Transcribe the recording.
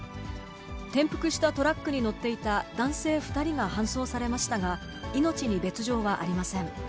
転覆したトラックに乗っていた男性２人が搬送されましたが、命に別状はありません。